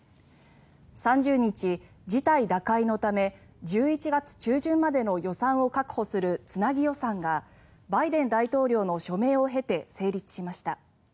３０日、事態打開のため１１月中旬までの予算を確保するつなぎ予算がバイデン大統領の署名を経て成立しました。